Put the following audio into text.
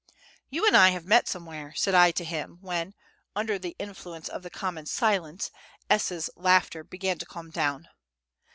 "You and I have met somewhere," said I to him when, under the influence of the common silence, S.'s laughter began to calm down.